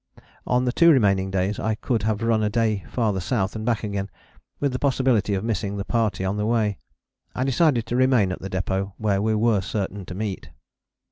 On the two remaining days I could have run a day farther South and back again, with the possibility of missing the party on the way. I decided to remain at the Depôt where we were certain to meet.